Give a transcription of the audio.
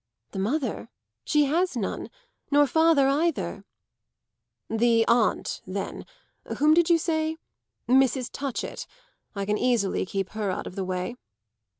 "The mother? She has none nor father either." "The aunt then whom did you say? Mrs. Touchett. I can easily keep her out of the way."